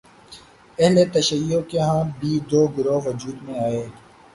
اہل تشیع کے ہاں بھی دو گروہ وجود میں آئے